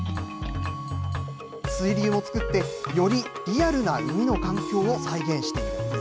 水流も作って、よりリアルな海の環境を再現しているんです。